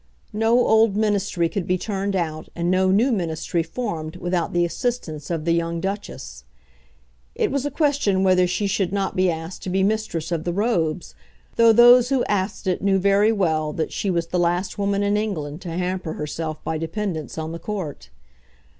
No old Ministry could be turned out and no new Ministry formed without the assistance of the young Duchess. It was a question whether she should not be asked to be Mistress of the Robes, though those who asked it knew very well that she was the last woman in England to hamper herself by dependence on the Court.